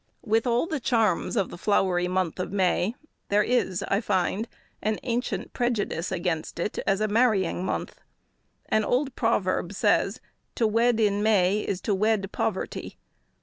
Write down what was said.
With all the charms of the flowery month of May, there is, I find, an ancient prejudice against it as a marrying month. An old proverb says, "To wed in May, is to wed poverty."